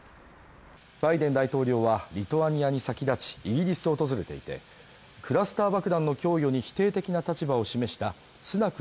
バイデン大統領はリトアニアに先立ち、イギリスを訪れていて、クラスター爆弾の供与に否定的な立場を示したスナク